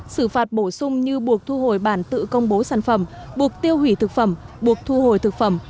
xử phạt bổ sung như buộc thu hồi bản tự công bố sản phẩm buộc tiêu hủy thực phẩm buộc thu hồi thực phẩm